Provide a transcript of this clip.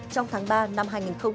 trong tháng ba năm hai nghìn hai mươi ba